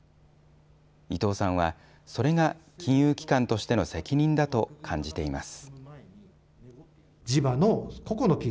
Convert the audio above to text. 伊藤さんはそれが金融機関としての責任だと感じています。